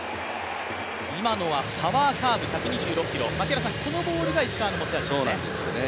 今のはパワーカーブ、このボールが石川の持ち味なんですよね。